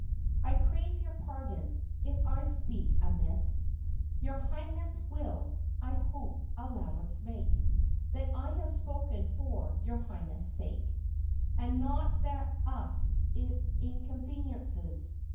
I crave your pardon ; if I speak amiss, Your Highness will, I hope, allowance make That I have spoken for your Highness' sake, And not that us it inconveniences.